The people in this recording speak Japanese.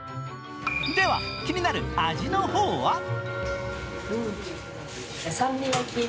では、気になる味の方は？